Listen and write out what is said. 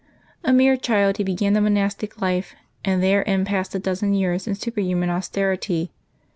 A mere child, he began the monastic life, and therein passed a dozen years in superhuman austerity.